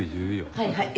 はいはい。